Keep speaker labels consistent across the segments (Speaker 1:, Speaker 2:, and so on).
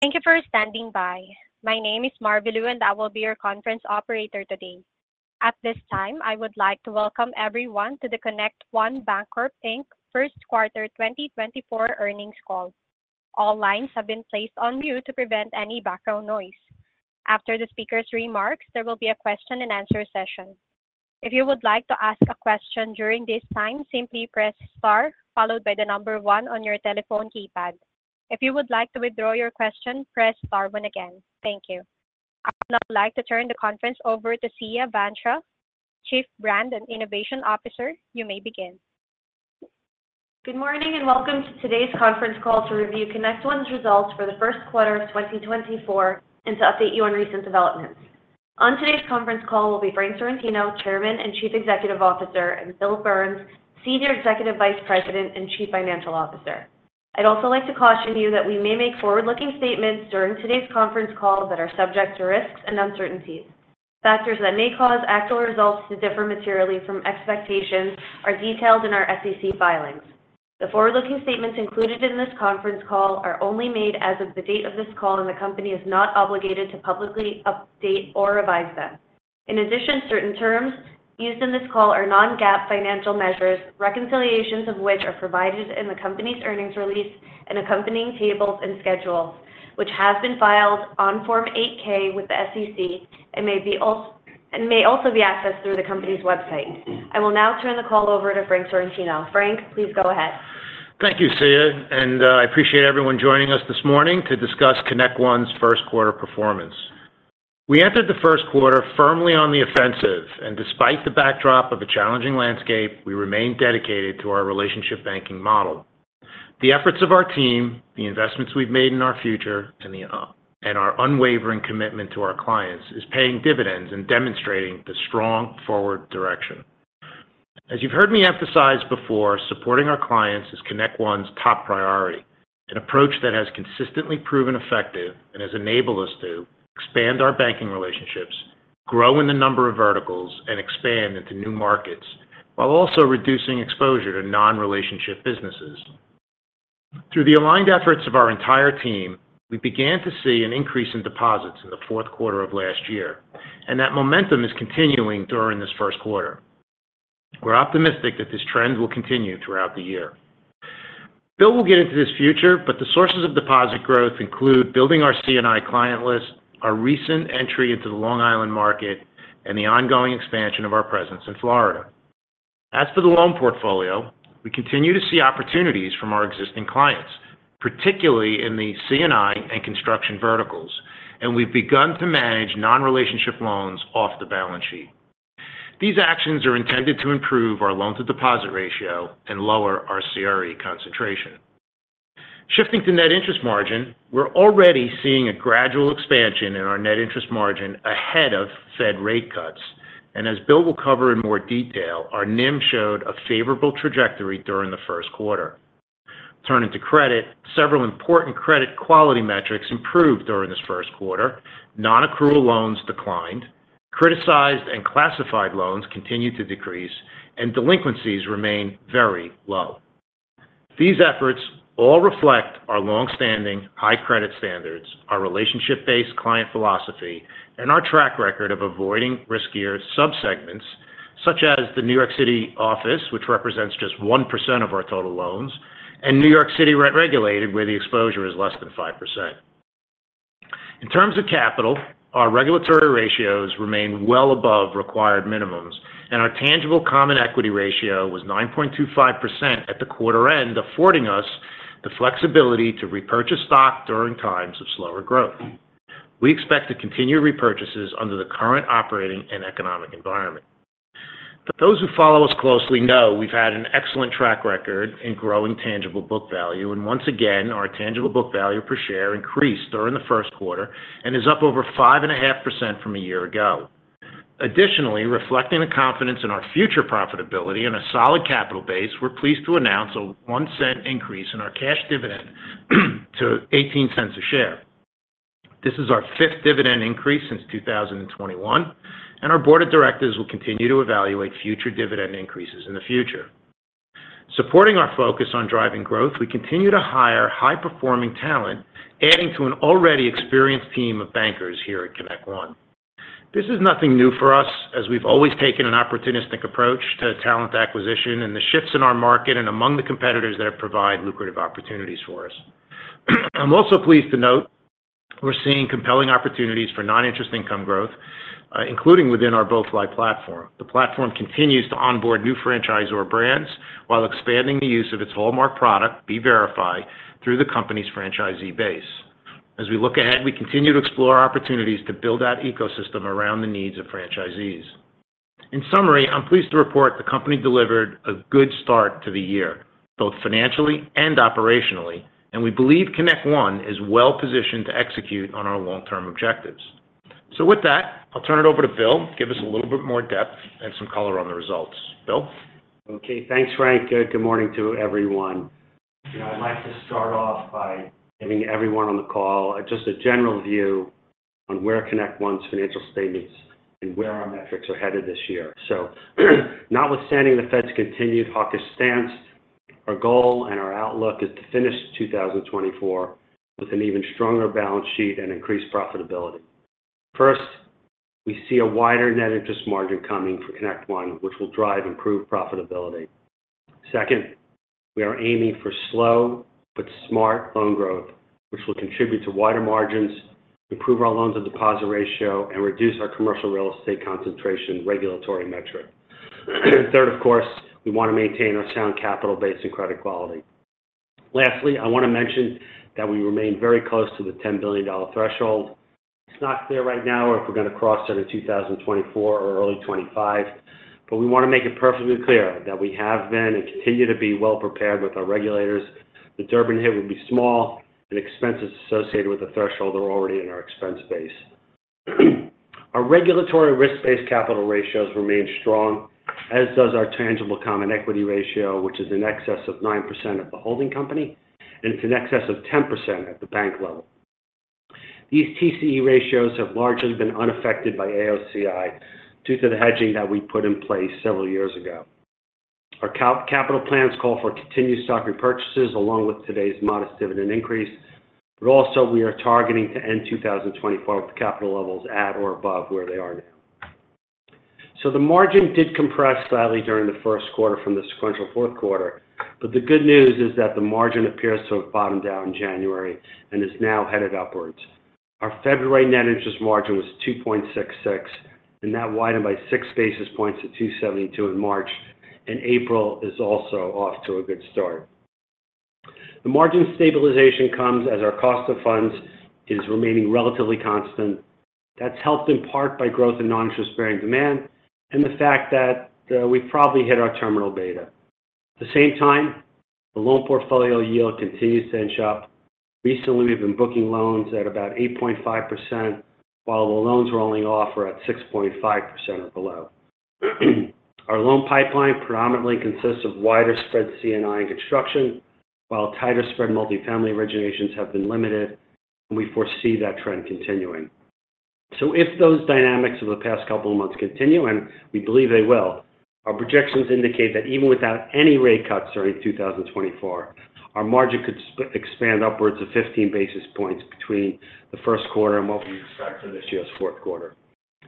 Speaker 1: Thank you for standing by. My name is Marilu, and I will be your conference operator today. At this time, I would like to welcome everyone to the ConnectOne Bancorp Inc. first quarter 2024 earnings call. All lines have been placed on mute to prevent any background noise. After the speaker's remarks, there will be a question-and-answer session. If you would like to ask a question during this time, simply press STAR followed by the number 1 on your telephone keypad. If you would like to withdraw your question, press STAR1 again. Thank you. I would now like to turn the conference over to Siya Vansia, Chief Brand and Innovation Officer. You may begin.
Speaker 2: Good morning and welcome to today's conference call to review ConnectOne's results for the first quarter of 2024 and to update you on recent developments. On today's conference call will be Frank Sorrentino, Chairman and Chief Executive Officer, and Bill Burns, Senior Executive Vice President and Chief Financial Officer. I'd also like to caution you that we may make forward-looking statements during today's conference call that are subject to risks and uncertainties. Factors that may cause actual results to differ materially from expectations are detailed in our SEC filings. The forward-looking statements included in this conference call are only made as of the date of this call, and the company is not obligated to publicly update or revise them. In addition, certain terms used in this call are non-GAAP financial measures, reconciliations of which are provided in the company's earnings release and accompanying tables and schedules, which have been filed on Form 8-K with the SEC and may also be accessed through the company's website. I will now turn the call over to Frank Sorrentino. Frank, please go ahead.
Speaker 3: Thank you, Siya, and I appreciate everyone joining us this morning to discuss ConnectOne's first quarter performance. We entered the first quarter firmly on the offensive, and despite the backdrop of a challenging landscape, we remained dedicated to our relationship banking model. The efforts of our team, the investments we've made in our future, and our unwavering commitment to our clients is paying dividends and demonstrating the strong forward direction. As you've heard me emphasize before, supporting our clients is ConnectOne's top priority, an approach that has consistently proven effective and has enabled us to expand our banking relationships, grow in the number of verticals, and expand into new markets while also reducing exposure to non-relationship businesses. Through the aligned efforts of our entire team, we began to see an increase in deposits in the fourth quarter of last year, and that momentum is continuing during this first quarter. We're optimistic that this trend will continue throughout the year. Bill will get into this further, but the sources of deposit growth include building our C&I client list, our recent entry into the Long Island market, and the ongoing expansion of our presence in Florida. As for the loan portfolio, we continue to see opportunities from our existing clients, particularly in the C&I and construction verticals, and we've begun to manage non-relationship loans off the balance sheet. These actions are intended to improve our loan-to-deposit ratio and lower our CRE concentration. Shifting to net interest margin, we're already seeing a gradual expansion in our net interest margin ahead of Fed rate cuts, and as Bill will cover in more detail, our NIM showed a favorable trajectory during the first quarter. Turning to credit, several important credit quality metrics improved during this first quarter. Non-accrual loans declined. Criticized and classified loans continue to decrease, and delinquencies remain very low. These efforts all reflect our longstanding high credit standards, our relationship-based client philosophy, and our track record of avoiding riskier subsegments such as the New York City office, which represents just 1% of our total loans, and New York City rent regulated, where the exposure is less than 5%. In terms of capital, our regulatory ratios remain well above required minimums, and our tangible common equity ratio was 9.25% at the quarter end, affording us the flexibility to repurchase stock during times of slower growth. We expect to continue repurchases under the current operating and economic environment. Those who follow us closely know we've had an excellent track record in growing tangible book value, and once again, our tangible book value per share increased during the first quarter and is up over 5.5% from a year ago. Additionally, reflecting the confidence in our future profitability and a solid capital base, we're pleased to announce a $0.01 increase in our cash dividend to $0.18 a share. This is our fifth dividend increase since 2021, and our board of directors will continue to evaluate future dividend increases in the future. Supporting our focus on driving growth, we continue to hire high-performing talent, adding to an already experienced team of bankers here at ConnectOne. This is nothing new for us, as we've always taken an opportunistic approach to talent acquisition and the shifts in our market and among the competitors that provide lucrative opportunities for us. I'm also pleased to note we're seeing compelling opportunities for non-interest income growth, including within our BoeFly platform. The platform continues to onboard new franchisor brands while expanding the use of its hallmark product, bVerify, through the company's franchisee base. As we look ahead, we continue to explore opportunities to build that ecosystem around the needs of franchisees. In summary, I'm pleased to report the company delivered a good start to the year, both financially and operationally, and we believe ConnectOne is well positioned to execute on our long-term objectives. So with that, I'll turn it over to Bill to give us a little bit more depth and some color on the results. Bill?
Speaker 4: Okay. Thanks, Frank. Good morning to everyone. I'd like to start off by giving everyone on the call just a general view on where ConnectOne's financial statements and where our metrics are headed this year. So notwithstanding the Fed's continued hawkish stance, our goal and our outlook is to finish 2024 with an even stronger balance sheet and increased profitability. First, we see a wider net interest margin coming for ConnectOne, which will drive improved profitability. Second, we are aiming for slow but smart loan growth, which will contribute to wider margins, improve our loan-to-deposit ratio, and reduce our commercial real estate concentration regulatory metric. Third, of course, we want to maintain our sound capital base and credit quality. Lastly, I want to mention that we remain very close to the $10 billion threshold. It's not clear right now if we're going to cross it in 2024 or early 2025, but we want to make it perfectly clear that we have been and continue to be well prepared with our regulators. The Durbin hit will be small, and expenses associated with the threshold are already in our expense base. Our regulatory risk-based capital ratios remain strong, as does our tangible common equity ratio, which is in excess of 9% at the holding company, and it's in excess of 10% at the bank level. These TCE ratios have largely been unaffected by AOCI due to the hedging that we put in place several years ago. Our capital plans call for continued stock repurchases along with today's modest dividend increase, but also we are targeting to end 2024 with capital levels at or above where they are now. So the margin did compress slightly during the first quarter from the sequential fourth quarter, but the good news is that the margin appears to have bottomed out in January and is now headed upwards. Our February net interest margin was 2.66, and that widened by six basis points to 2.72 in March, and April is also off to a good start. The margin stabilization comes as our cost of funds is remaining relatively constant. That's helped in part by growth in non-interest-bearing demand and the fact that we've probably hit our terminal beta. At the same time, the loan portfolio yield continues to inch up. Recently, we've been booking loans at about 8.5% while the loans rolling off are at 6.5% or below. Our loan pipeline predominantly consists of wider spread C&I and construction, while tighter spread multifamily originations have been limited, and we foresee that trend continuing. If those dynamics of the past couple of months continue, and we believe they will, our projections indicate that even without any rate cuts during 2024, our margin could expand upwards of 15 basis points between the first quarter and what we expect for this year's fourth quarter.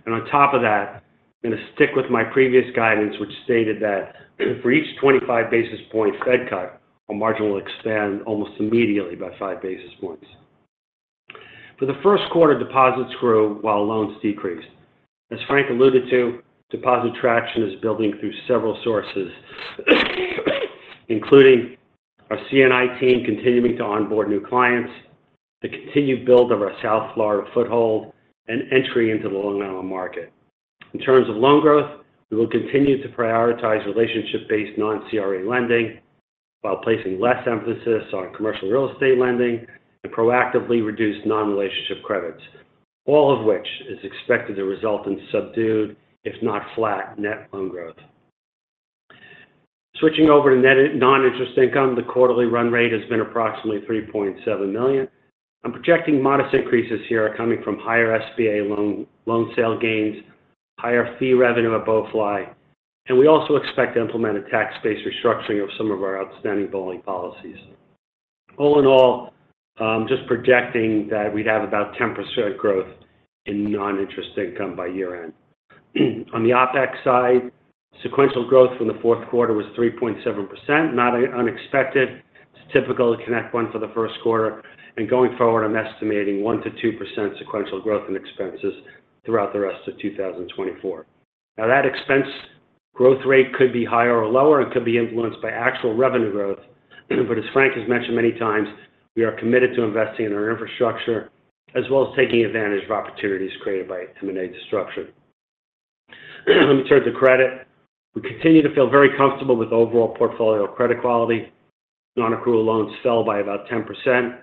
Speaker 4: On top of that, I'm going to stick with my previous guidance, which stated that for each 25 basis point Fed cut, our margin will expand almost immediately by 5 basis points. For the first quarter, deposits grew while loans decreased. As Frank alluded to, deposit traction is building through several sources, including our C&I team continuing to onboard new clients, the continued build of our South Florida foothold, and entry into the Long Island market. In terms of loan growth, we will continue to prioritize relationship-based non-CRE lending while placing less emphasis on commercial real estate lending and proactively reduce non-relationship credits, all of which is expected to result in subdued, if not flat, net loan growth. Switching over to non-interest income, the quarterly run rate has been approximately $3.7 million. I'm projecting modest increases here coming from higher SBA loan sale gains, higher fee revenue at BoeFly, and we also expect to implement a tax-based restructuring of some of our outstanding BoeFly policies. All in all, I'm just projecting that we'd have about 10% growth in non-interest income by year-end. On the OpEx side, sequential growth from the fourth quarter was 3.7%, not unexpected. It's typical of ConnectOne for the first quarter, and going forward, I'm estimating 1%-2% sequential growth in expenses throughout the rest of 2024. Now, that expense growth rate could be higher or lower and could be influenced by actual revenue growth, but as Frank has mentioned many times, we are committed to investing in our infrastructure as well as taking advantage of opportunities created by M&A disruption. Let me turn to credit. We continue to feel very comfortable with overall portfolio credit quality. Non-accrual loans fell by about 10%,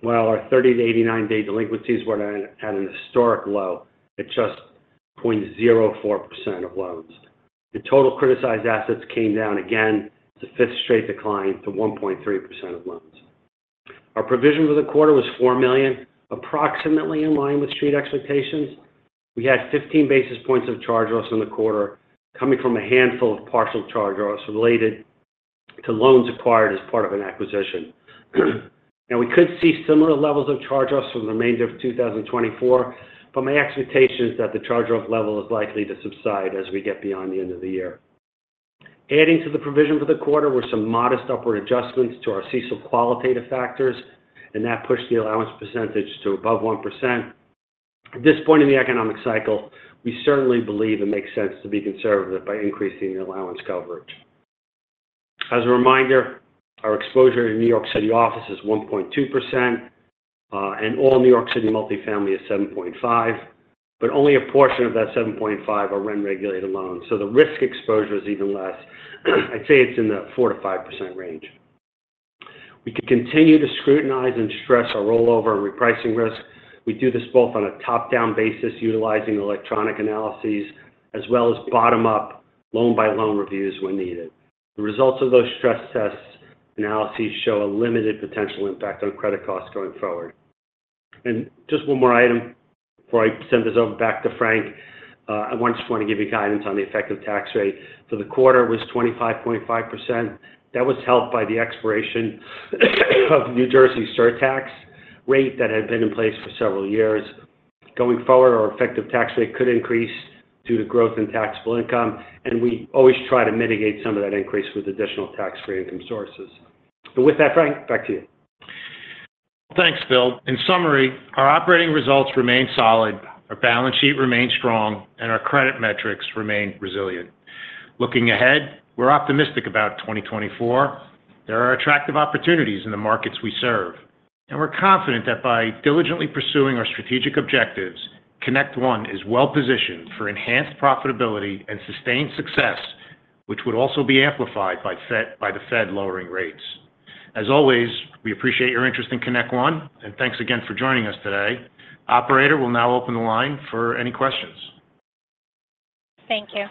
Speaker 4: while our 30- to 89-day delinquencies were at an historic low at just 0.04% of loans. The total criticized assets came down again. It's a fifth straight decline to 1.3% of loans. Our provision for the quarter was $4 million, approximately in line with street expectations. We had 15 basis points of charge-offs in the quarter coming from a handful of partial charge-offs related to loans acquired as part of an acquisition. Now, we could see similar levels of charge-offs from the remainder of 2024, but my expectation is that the charge-offs level is likely to subside as we get beyond the end of the year. Adding to the provision for the quarter were some modest upward adjustments to our CECL qualitative factors, and that pushed the allowance percentage to above 1%. At this point in the economic cycle, we certainly believe it makes sense to be conservative by increasing the allowance coverage. As a reminder, our exposure in New York City office is 1.2%, and all New York City multifamily is 7.5%, but only a portion of that 7.5% are rent regulated loans, so the risk exposure is even less. I'd say it's in the 4%-5% range. We could continue to scrutinize and stress our rollover and repricing risk. We do this both on a top-down basis utilizing electronic analyses as well as bottom-up loan-by-loan reviews when needed. The results of those stress test analyses show a limited potential impact on credit costs going forward. Just one more item before I send this over back to Frank. I just want to give you guidance on the effective tax rate. For the quarter, it was 25.5%. That was helped by the expiration of New Jersey's surtax rate that had been in place for several years. Going forward, our effective tax rate could increase due to growth in taxable income, and we always try to mitigate some of that increase with additional tax-free income sources. With that, Frank, back to you.
Speaker 3: Thanks, Bill. In summary, our operating results remain solid, our balance sheet remains strong, and our credit metrics remain resilient. Looking ahead, we're optimistic about 2024. There are attractive opportunities in the markets we serve, and we're confident that by diligently pursuing our strategic objectives, ConnectOne is well positioned for enhanced profitability and sustained success, which would also be amplified by the Fed lowering rates. As always, we appreciate your interest in ConnectOne, and thanks again for joining us today. Operator will now open the line for any questions.
Speaker 1: Thank you.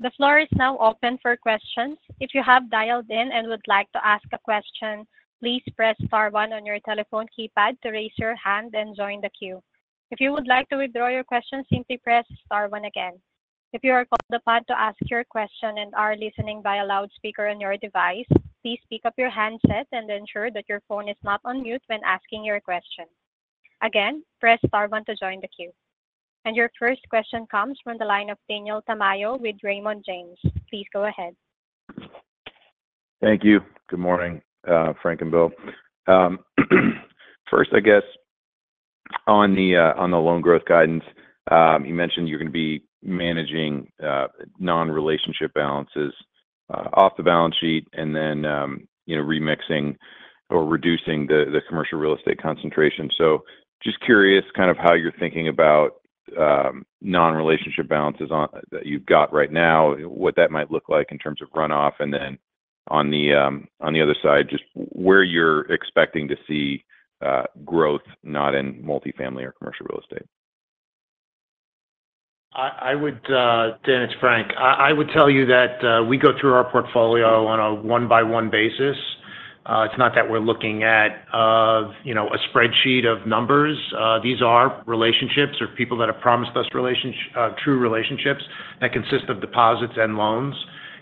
Speaker 1: The floor is now open for questions. If you have dialed in and would like to ask a question, please press star one on your telephone keypad to raise your hand and join the queue. If you would like to withdraw your question, simply press star one again. If you are called upon to ask your question and are listening via loudspeaker on your device, please pick up your handset and ensure that your phone is not on mute when asking your question. Again, press star one to join the queue. Your first question comes from the line of Daniel Tamayo with Raymond James. Please go ahead.
Speaker 5: Thank you. Good morning, Frank and Bill. First, I guess, on the loan growth guidance, you mentioned you're going to be managing non-relationship balances off the balance sheet and then remixing or reducing the commercial real estate concentration. So just curious kind of how you're thinking about non-relationship balances that you've got right now, what that might look like in terms of runoff, and then on the other side, just where you're expecting to see growth not in multifamily or commercial real estate.
Speaker 3: Dan it's Frank, I would tell you that we go through our portfolio on a one-by-one basis. It's not that we're looking at a spreadsheet of numbers. These are relationships or people that have promised us true relationships that consist of deposits and loans.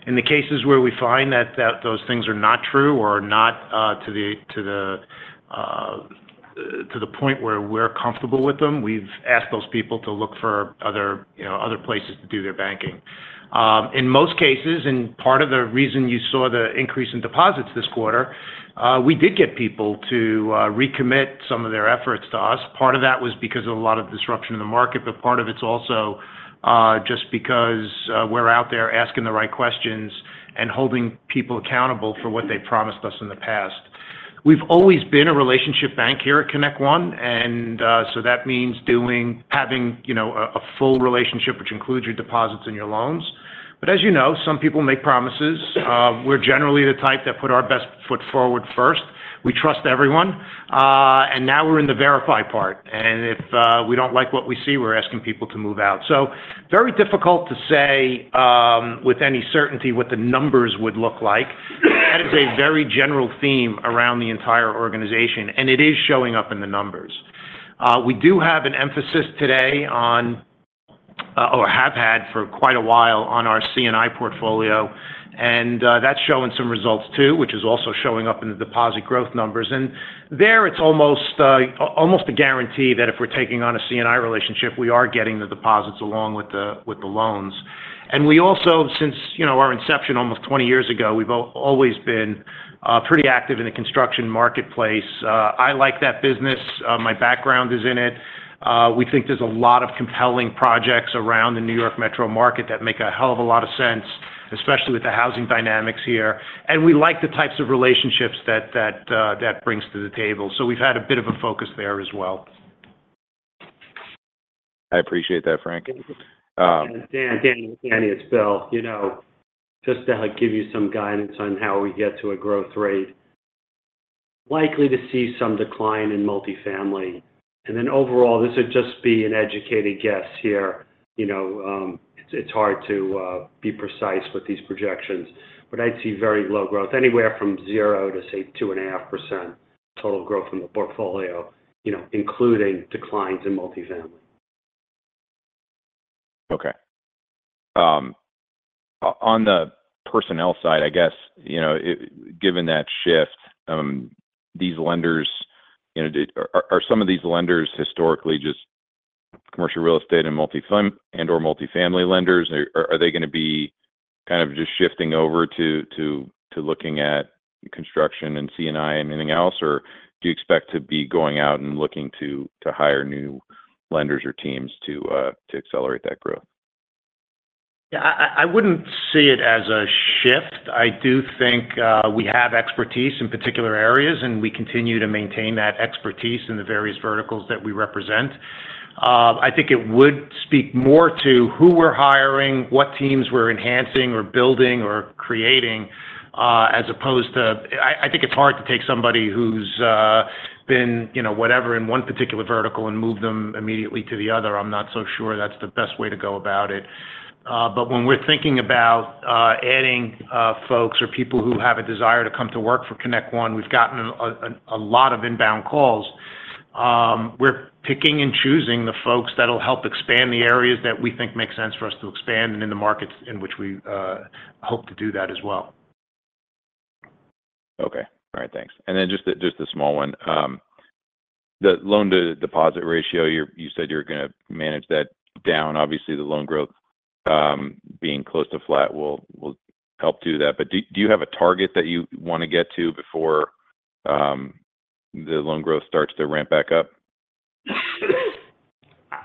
Speaker 3: In the cases where we find that those things are not true or are not to the point where we're comfortable with them, we've asked those people to look for other places to do their banking. In most cases, and part of the reason you saw the increase in deposits this quarter, we did get people to recommit some of their efforts to us. Part of that was because of a lot of disruption in the market, but part of it's also just because we're out there asking the right questions and holding people accountable for what they promised us in the past. We've always been a relationship bank here at ConnectOne, and so that means having a full relationship, which includes your deposits and your loans. But as you know, some people make promises. We're generally the type that put our best foot forward first. We trust everyone. And now we're in the verify part. And if we don't like what we see, we're asking people to move out. So very difficult to say with any certainty what the numbers would look like. That is a very general theme around the entire organization, and it is showing up in the numbers. We do have an emphasis today on or have had for quite a while on our C&I portfolio, and that's showing some results too, which is also showing up in the deposit growth numbers. And there, it's almost a guarantee that if we're taking on a C&I relationship, we are getting the deposits along with the loans. And we also, since our inception almost 20 years ago, we've always been pretty active in the construction marketplace. I like that business. My background is in it. We think there's a lot of compelling projects around the New York Metro market that make a hell of a lot of sense, especially with the housing dynamics here. And we like the types of relationships that that brings to the table. So we've had a bit of a focus there as well.
Speaker 5: I appreciate that, Frank.
Speaker 4: Dan, Danny, it's Bill. Just to give you some guidance on how we get to a growth rate, likely to see some decline in multifamily. And then overall, this would just be an educated guess here. It's hard to be precise with these projections, but I'd see very low growth, anywhere from 0%-2.5% total growth in the portfolio, including declines in multifamily.
Speaker 5: Okay. On the personnel side, I guess, given that shift, these lenders are some of these lenders historically just commercial real estate and/or multifamily lenders? Are they going to be kind of just shifting over to looking at construction and C&I and anything else, or do you expect to be going out and looking to hire new lenders or teams to accelerate that growth?
Speaker 3: Yeah, I wouldn't see it as a shift. I do think we have expertise in particular areas, and we continue to maintain that expertise in the various verticals that we represent. I think it would speak more to who we're hiring, what teams we're enhancing or building or creating as opposed to I think it's hard to take somebody who's been whatever in one particular vertical and move them immediately to the other. I'm not so sure that's the best way to go about it. But when we're thinking about adding folks or people who have a desire to come to work for ConnectOne, we've gotten a lot of inbound calls. We're picking and choosing the folks that'll help expand the areas that we think make sense for us to expand and in the markets in which we hope to do that as well.
Speaker 5: Okay. All right. Thanks. And then just a small one. The loan-to-deposit ratio, you said you're going to manage that down. Obviously, the loan growth being close to flat will help do that. But do you have a target that you want to get to before the loan growth starts to ramp back up?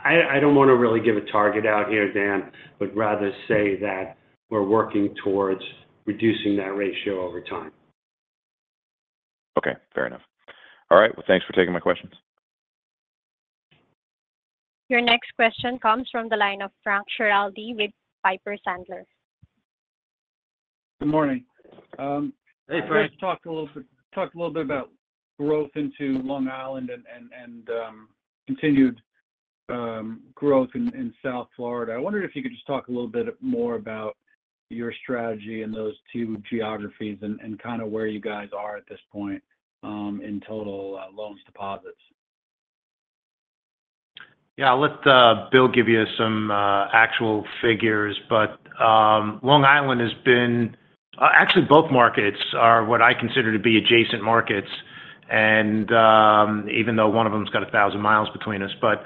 Speaker 4: I don't want to really give a target out here, Dan, but rather say that we're working towards reducing that ratio over time.
Speaker 5: Okay. Fair enough. All right. Well, thanks for taking my questions.
Speaker 1: Your next question comes from the line of Frank Schiraldi with Piper Sandler.
Speaker 6: Good morning. Hey, Frank, talked a little bit about growth into Long Island and continued growth in South Florida. I wondered if you could just talk a little bit more about your strategy and those two geographies and kind of where you guys are at this point in total loans/deposits.
Speaker 3: Yeah, I'll let Bill give you some actual figures. But Long Island has been actually, both markets are what I consider to be adjacent markets, even though one of them's got 1,000 miles between us. But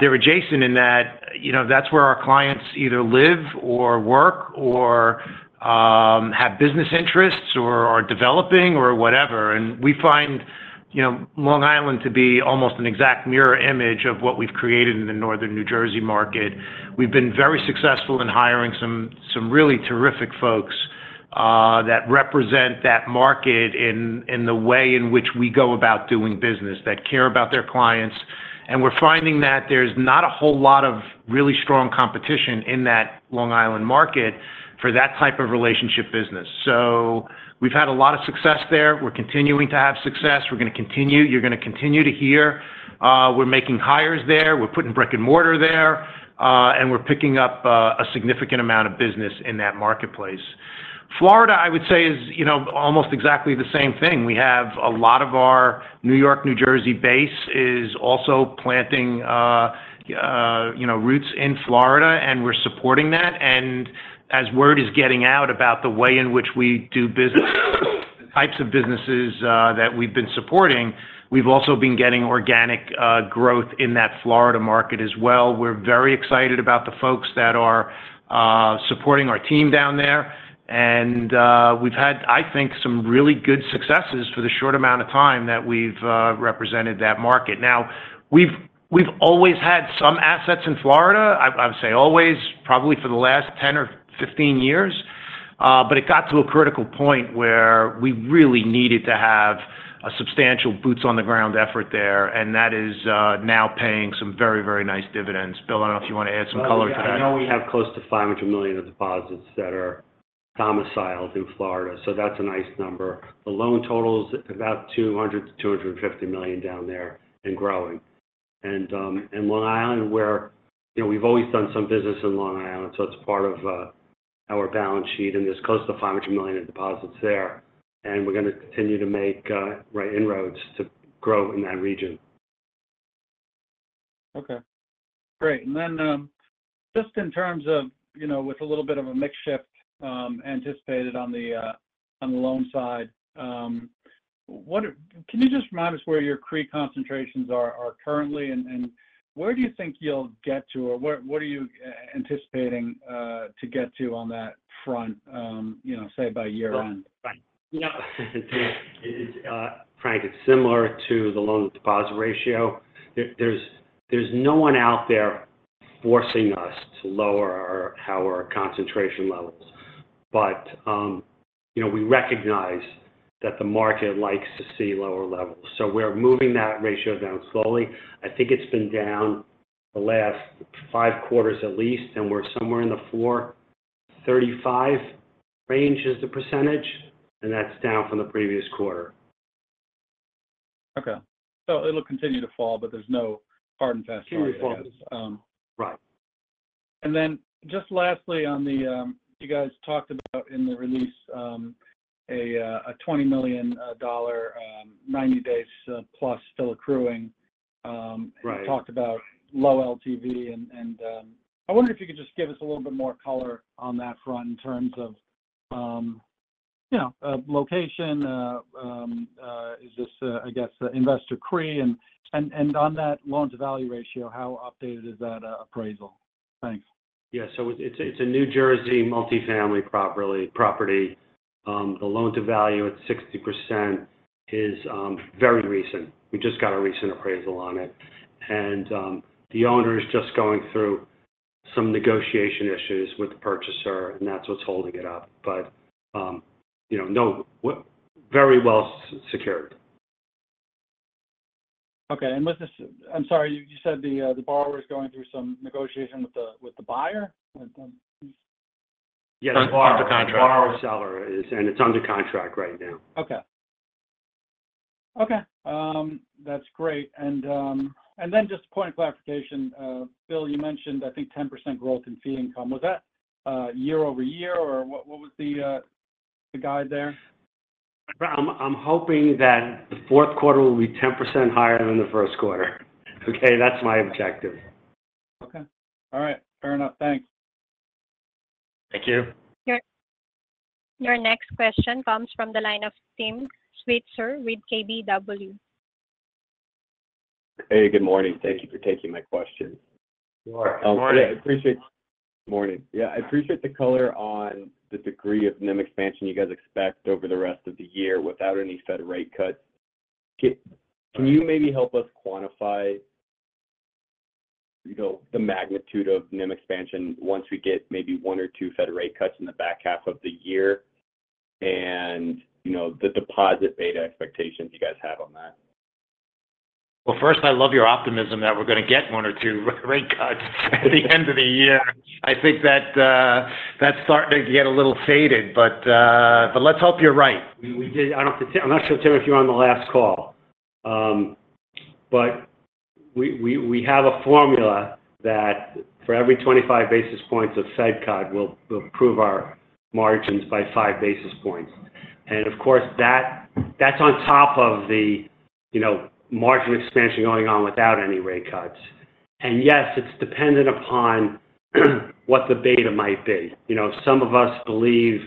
Speaker 3: they're adjacent in that that's where our clients either live or work or have business interests or are developing or whatever. And we find Long Island to be almost an exact mirror image of what we've created in the northern New Jersey market. We've been very successful in hiring some really terrific folks that represent that market in the way in which we go about doing business, that care about their clients. And we're finding that there's not a whole lot of really strong competition in that Long Island market for that type of relationship business. So we've had a lot of success there. We're continuing to have success. We're going to continue. You're going to continue to hear. We're making hires there. We're putting brick and mortar there, and we're picking up a significant amount of business in that marketplace. Florida, I would say, is almost exactly the same thing. A lot of our New York, New Jersey base is also planting roots in Florida, and we're supporting that. As word is getting out about the way in which we do business, the types of businesses that we've been supporting, we've also been getting organic growth in that Florida market as well. We're very excited about the folks that are supporting our team down there. We've had, I think, some really good successes for the short amount of time that we've represented that market. Now, we've always had some assets in Florida. I would say always, probably for the last 10 or 15 years. But it got to a critical point where we really needed to have a substantial boots-on-the-ground effort there, and that is now paying some very, very nice dividends. Bill, I don't know if you want to add some color to that.
Speaker 4: I know we have close to $500 million of deposits that are domiciled in Florida, so that's a nice number. The loan total is about $200 million-$250 million down there and growing. Long Island, we've always done some business in Long Island, so it's part of our balance sheet. There's close to $500 million of deposits there, and we're going to continue to make inroads to grow in that region.
Speaker 6: Okay. Great. And then just in terms of with a little bit of a mixed shift anticipated on the loan side, can you just remind us where your CRE concentrations are currently, and where do you think you'll get to, or what are you anticipating to get to on that front, say, by year-end?
Speaker 4: Well, Frank, it's similar to the loan-to-deposit ratio. There's no one out there forcing us to lower our concentration levels. But we recognize that the market likes to see lower levels. So we're moving that ratio down slowly. I think it's been down the last five quarters at least, and we're somewhere in the 435% range, and that's down from the previous quarter.
Speaker 6: Okay. So it'll continue to fall, but there's no hard and fast horizon.
Speaker 4: Continue to fall.
Speaker 6: And then just lastly, you guys talked about in the release a $20 million, 90 days plus, still accruing. You talked about low LTV. And I wondered if you could just give us a little bit more color on that front in terms of location. Is this, I guess, investor CRE? And on that loan-to-value ratio, how updated is that appraisal? Thanks.
Speaker 4: Yeah. So it's a New Jersey multifamily property. The loan-to-value, it's 60%, is very recent. We just got a recent appraisal on it. And the owner is just going through some negotiation issues with the purchaser, and that's what's holding it up. But no, very well secured.
Speaker 6: Okay. I'm sorry, you said the borrower is going through some negotiation with the buyer?
Speaker 4: Yes, it's under contract. The borrower/seller is, and it's under contract right now.
Speaker 6: Okay. Okay. That's great. And then just a point of clarification, Bill, you mentioned, I think, 10% growth in fee income. Was that year-over-year, or what was the guide there?
Speaker 4: I'm hoping that the fourth quarter will be 10% higher than the first quarter. Okay? That's my objective.
Speaker 6: Okay. All right. Fair enough. Thanks.
Speaker 4: Thank you.
Speaker 1: Your next question comes from the line of Tim Switzer with KBW.
Speaker 7: Hey, good morning. Thank you for taking my question.
Speaker 4: You're welcome.
Speaker 7: Good morning. Yeah, I appreciate the color on the degree of NIM expansion you guys expect over the rest of the year without any Fed rate cuts. Can you maybe help us quantify the magnitude of NIM expansion once we get maybe one or two Fed rate cuts in the back half of the year and the deposit beta expectations you guys have on that?
Speaker 3: Well, first, I love your optimism that we're going to get one or two rate cuts at the end of the year. I think that's starting to get a little fading, but let's hope you're right.
Speaker 4: I'm not sure, Tim, if you're on the last call. We have a formula that for every 25 basis points of Fed cut, we'll improve our margins by 5 basis points. Of course, that's on top of the margin expansion going on without any rate cuts. Yes, it's dependent upon what the beta might be. Some of us believe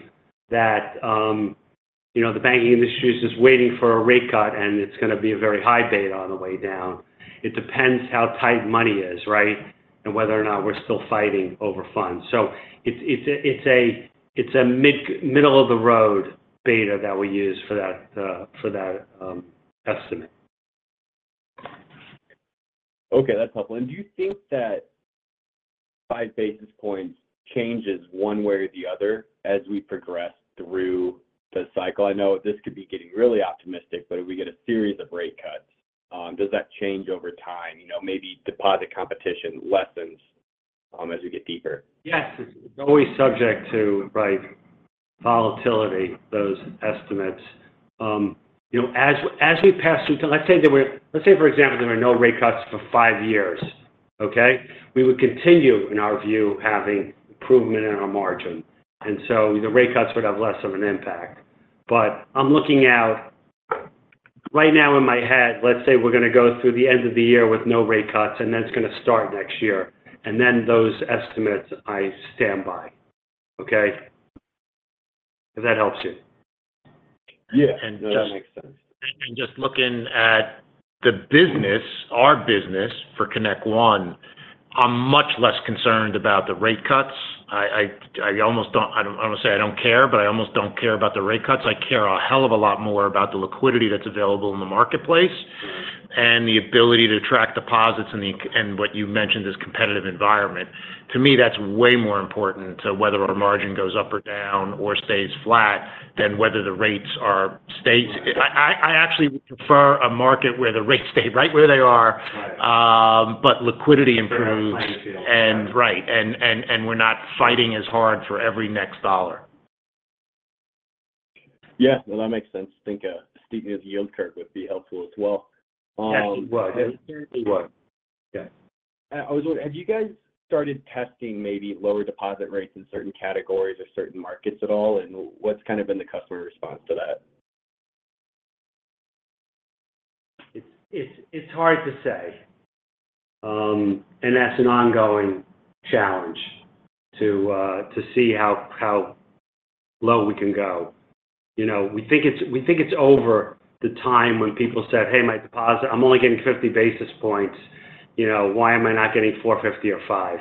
Speaker 4: that the banking industry is just waiting for a rate cut, and it's going to be a very high beta on the way down. It depends how tight money is, right, and whether or not we're still fighting over funds. It's a middle-of-the-road beta that we use for that estimate.
Speaker 7: Okay. That's helpful. And do you think that 5 basis points changes one way or the other as we progress through the cycle? I know this could be getting really optimistic, but if we get a series of rate cuts, does that change over time? Maybe deposit competition lessens as we get deeper.
Speaker 4: Yes. It's always subject to, right, volatility, those estimates. As we pass through let's say, for example, there are no rate cuts for 5 years. Okay? We would continue, in our view, having improvement in our margin. And so the rate cuts would have less of an impact. But I'm looking out right now in my head, let's say we're going to go through the end of the year with no rate cuts, and then it's going to start next year. And then those estimates, I stand by. Okay? If that helps you.
Speaker 7: Yeah. That makes sense.
Speaker 3: Just looking at the business, our business for ConnectOne, I'm much less concerned about the rate cuts. I almost don't I don't want to say I don't care, but I almost don't care about the rate cuts. I care a hell of a lot more about the liquidity that's available in the marketplace and the ability to track deposits and what you mentioned as competitive environment. To me, that's way more important to whether our margin goes up or down or stays flat than whether the rates are stayed. I actually would prefer a market where the rates stay right where they are, but liquidity improves.
Speaker 4: Right. Finding a feel for it.
Speaker 3: Right. And we're not fighting as hard for every next dollar.
Speaker 7: Yeah. Well, that makes sense. I think a steepening of the yield curve would be helpful as well.
Speaker 4: Yes, it would. It certainly would. Yeah.
Speaker 7: Have you guys started testing maybe lower deposit rates in certain categories or certain markets at all? And what's kind of been the customer response to that?
Speaker 4: It's hard to say. And that's an ongoing challenge to see how low we can go. We think it's over the time when people said, "Hey, I'm only getting 50 basis points. Why am I not getting 450 or 5?"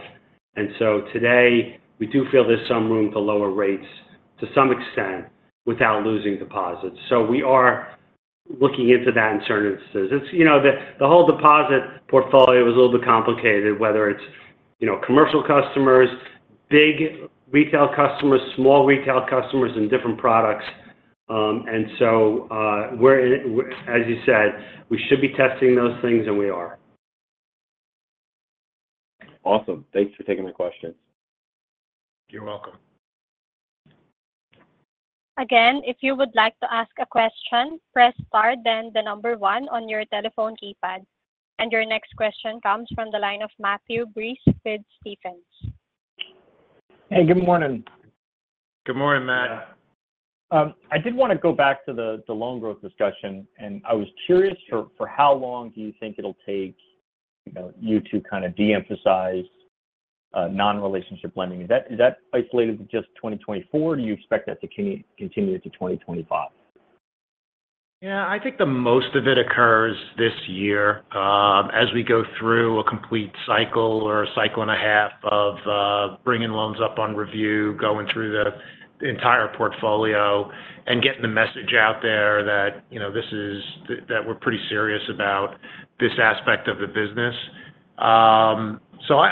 Speaker 4: And so today, we do feel there's some room for lower rates to some extent without losing deposits. So we are looking into that in certain instances. The whole deposit portfolio is a little bit complicated, whether it's commercial customers, big retail customers, small retail customers, and different products. And so as you said, we should be testing those things, and we are.
Speaker 7: Awesome. Thanks for taking my questions.
Speaker 3: You're welcome.
Speaker 1: Again, if you would like to ask a question, press star, then the number 1 on your telephone keypad. Your next question comes from the line of Matthew Breese with Stephens.
Speaker 8: Hey, good morning.
Speaker 3: Good morning, Matt.
Speaker 8: I did want to go back to the loan growth discussion. And I was curious, for how long do you think it'll take you to kind of de-emphasize non-relationship lending? Is that isolated to just 2024, or do you expect that to continue into 2025?
Speaker 3: Yeah, I think the most of it occurs this year as we go through a complete cycle or a cycle and a half of bringing loans up on review, going through the entire portfolio, and getting the message out there that we're pretty serious about this aspect of the business. So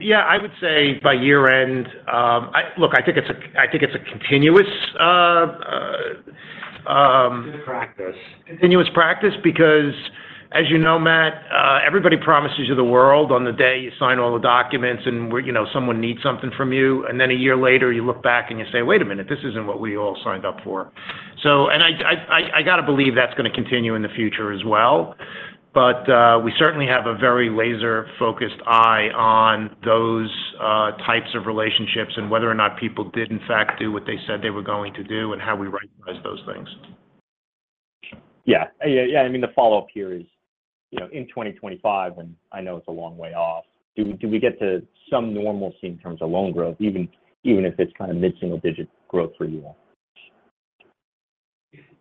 Speaker 3: yeah, I would say by year-end look, I think it's a continuous.
Speaker 4: Good practice.
Speaker 3: Continuous practice because, as you know, Matt, everybody promises you the world on the day you sign all the documents and someone needs something from you. Then a year later, you look back and you say, "Wait a minute. This isn't what we all signed up for." I got to believe that's going to continue in the future as well. But we certainly have a very laser-focused eye on those types of relationships and whether or not people did, in fact, do what they said they were going to do and how we right-size those things.
Speaker 8: Yeah. Yeah. Yeah. I mean, the follow-up here is in 2025, and I know it's a long way off. Do we get to some normalcy in terms of loan growth, even if it's kind of mid-single-digit growth for you all?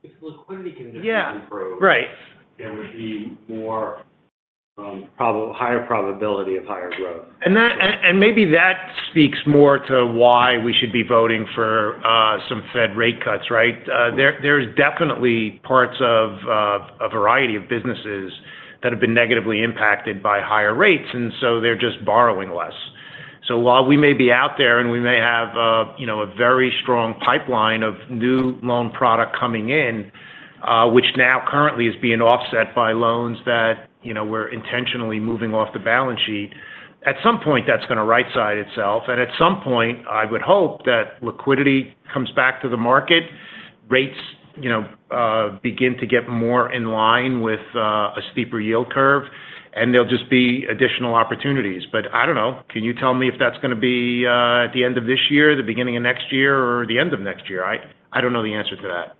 Speaker 4: If the liquidity can just improve, there would be higher probability of higher growth.
Speaker 3: Maybe that speaks more to why we should be voting for some Fed rate cuts, right? There's definitely parts of a variety of businesses that have been negatively impacted by higher rates, and so they're just borrowing less. So while we may be out there and we may have a very strong pipeline of new loan product coming in, which now currently is being offset by loans that we're intentionally moving off the balance sheet, at some point, that's going to right-side itself. And at some point, I would hope that liquidity comes back to the market, rates begin to get more in line with a steeper yield curve, and there'll be additional opportunities. But I don't know. Can you tell me if that's going to be at the end of this year, the beginning of next year, or the end of next year? I don't know the answer to that.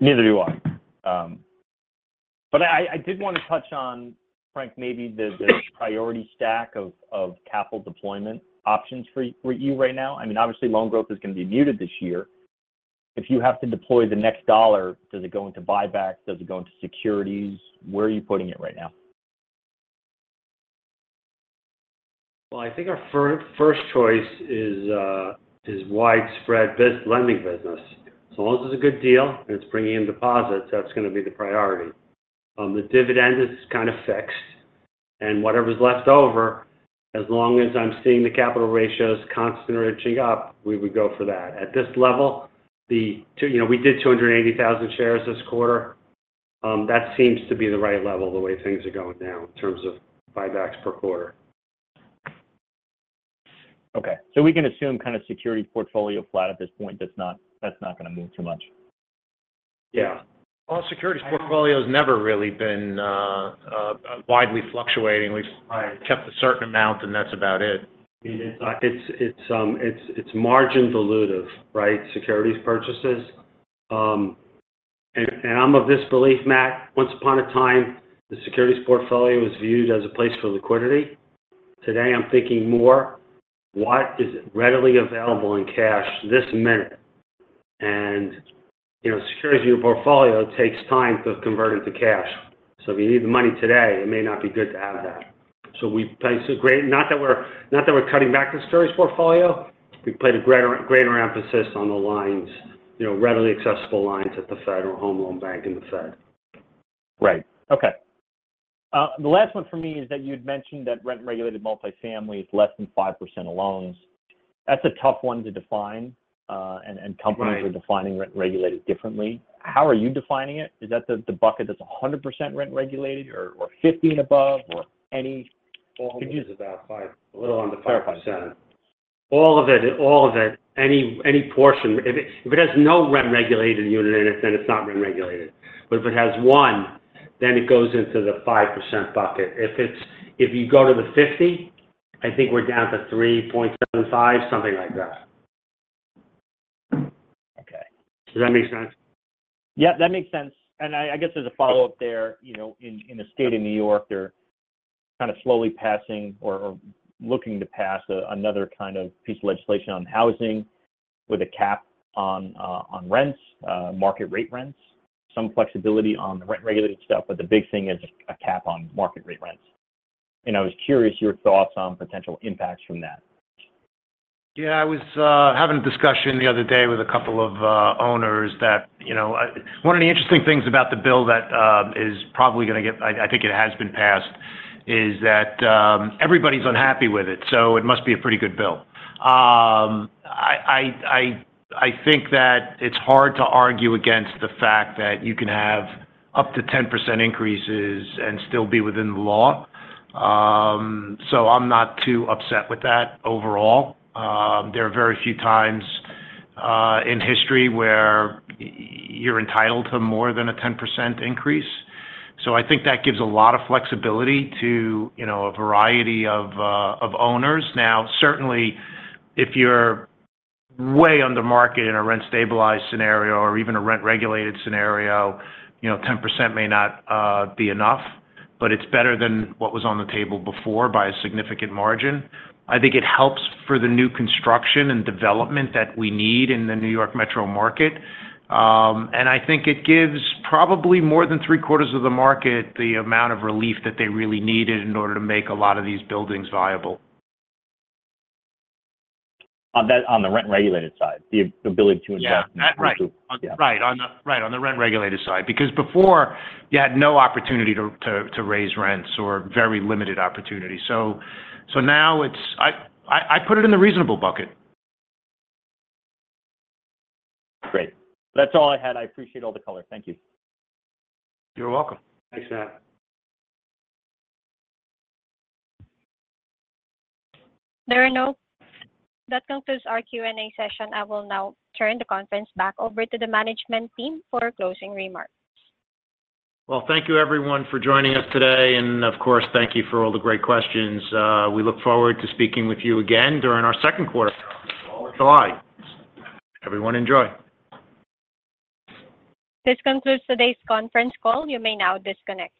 Speaker 8: Neither do I. But I did want to touch on, Frank, maybe the priority stack of capital deployment options for you right now. I mean, obviously, loan growth is going to be muted this year. If you have to deploy the next dollar, does it go into buybacks? Does it go into securities? Where are you putting it right now?
Speaker 4: Well, I think our first choice is widespread lending business. As long as it's a good deal and it's bringing in deposits, that's going to be the priority. The dividend is kind of fixed. And whatever's left over, as long as I'm seeing the capital ratios constantly rising up, we would go for that. At this level, we did 280,000 shares this quarter. That seems to be the right level the way things are going now in terms of buybacks per quarter.
Speaker 8: Okay. So we can assume kind of securities portfolio flat at this point. That's not going to move too much.
Speaker 4: Yeah. Well, securities portfolio's never really been widely fluctuating. We've kept a certain amount, and that's about it. It's margin-dilutive, right, securities purchases. And I'm of this belief, Matt, once upon a time, the securities portfolio was viewed as a place for liquidity. Today, I'm thinking more, "What is readily available in cash this minute?" And securities in your portfolio takes time to convert into cash. So if you need the money today, it may not be good to have that. So we place a greater, not that we're cutting back the securities portfolio. We place a greater emphasis on the readily accessible lines at the Federal Home Loan Bank and the Fed.
Speaker 8: Right. Okay. The last one for me is that you'd mentioned that rent-regulated multifamily is less than 5% of loans. That's a tough one to define. Companies are defining rent-regulated differently. How are you defining it? Is that the bucket that's 100% rent-regulated or 50 and above or any?
Speaker 4: It is about 5%. A little under 5%.
Speaker 8: Fair enough.
Speaker 4: All of it, any portion. If it has no rent-regulated unit in it, then it's not rent-regulated. But if it has one, then it goes into the 5% bucket. If you go to the 50, I think we're down to 3.75, something like that. Does that make sense?
Speaker 8: Yeah, that makes sense. And I guess there's a follow-up there. In the state of New York, they're kind of slowly passing or looking to pass another kind of piece of legislation on housing with a cap on rents, market-rate rents, some flexibility on the rent-regulated stuff. But the big thing is a cap on market-rate rents. And I was curious your thoughts on potential impacts from that.
Speaker 3: Yeah, I was having a discussion the other day with a couple of owners that one of the interesting things about the bill that is probably going to get, I think it has been passed, is that everybody's unhappy with it. So it must be a pretty good bill. I think that it's hard to argue against the fact that you can have up to 10% increases and still be within the law. So I'm not too upset with that overall. There are very few times in history where you're entitled to more than a 10% increase. So I think that gives a lot of flexibility to a variety of owners. Now, certainly, if you're way under market in a rent-stabilized scenario or even a rent-regulated scenario, 10% may not be enough. But it's better than what was on the table before by a significant margin. I think it helps for the new construction and development that we need in the New York Metro market. I think it gives probably more than three-quarters of the market the amount of relief that they really needed in order to make a lot of these buildings viable.
Speaker 8: On the rent-regulated side, the ability to invest in the new.
Speaker 3: Yeah. Right. Right. On the rent-regulated side because before, you had no opportunity to raise rents or very limited opportunity. So now, I put it in the reasonable bucket.
Speaker 8: Great. That's all I had. I appreciate all the color. Thank you.
Speaker 3: You're welcome.
Speaker 4: Thanks, Matt.
Speaker 1: There are no. That concludes our Q&A session. I will now turn the conference back over to the management team for closing remarks.
Speaker 3: Well, thank you, everyone, for joining us today. Of course, thank you for all the great questions. We look forward to speaking with you again during our second quarter of July. Everyone, enjoy.
Speaker 1: This concludes today's conference call. You may now disconnect.